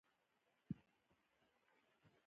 که ماته په پېژندپاڼه کې تاجک ونه لیکل شي.